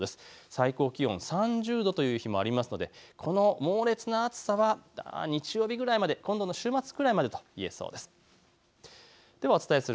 最高気温３０度という日もありますのでこの猛烈な暑さは日曜日くらいまで、今度の週末くらいまでといえそうです。